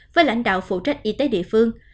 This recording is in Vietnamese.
với lãnh đạo phụ trách y tế địa phương